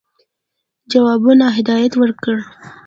جوابونو هدایت مي ورکړ.